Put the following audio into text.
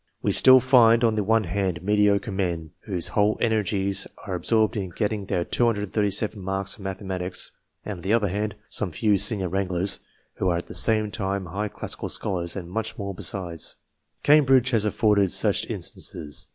We still find, on the one hand, mediocre men, whose whole energies are absorbed in getting their 237 marks for mathematics ; and, on the other hand, some few senior wranglers who are at the same time high classical scholars and much more besides. Cambridge has afforded such instances.